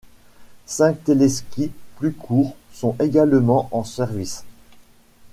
Cinq téléskis plus courts sont également en service.